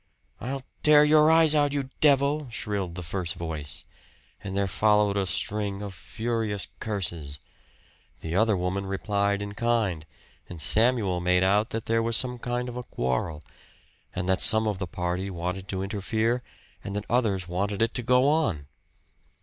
"I'll tear your eyes out, you devil!" shrilled the first voice, and there followed a string of furious curses. The other woman replied in kind and Samuel made out that there was some kind of a quarrel, and that some of the party wanted to interfere, and that others wanted it to go on.